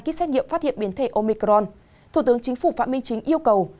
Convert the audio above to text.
ký xét nghiệm phát hiện biến thể omicron thủ tướng chính phủ phạm minh chính yêu cầu